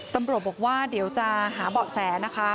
ตำรวจบอกว่าเดี๋ยวจะหาเบาะแสนะคะ